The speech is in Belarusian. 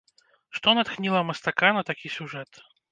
Што натхніла мастака на такі сюжэт?